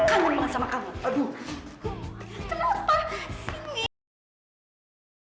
aku tuh kangen banget sama kamu